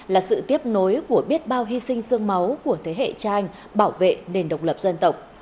là sự tiếp nối của biết bao hy sinh sương máu của thế hệ cha anh bảo vệ nền độc lập dân tộc